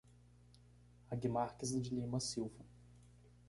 Aguimarques de Lima Silva